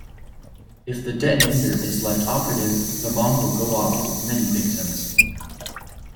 If the detonator is left operative, the bomb will go off with many victims.